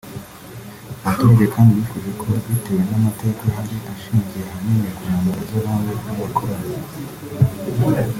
Abaturage kandi bifuje ko bitewe n’amateka ahari ashingiye ahanini ku ntambara z’abami n’abakoloni